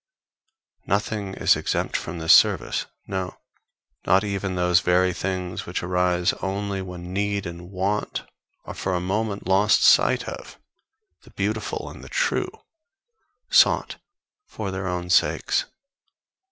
Nothing is exempt from this service, no, not even those very things which arise only when need and want are for a moment lost sight of the beautiful and the true, sought for their own sakes.